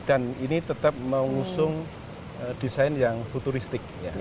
ini tetap mengusung desain yang futuristik